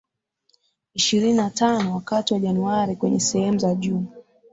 ishirini na tano wakati wa Januari Kwenye sehemu za juu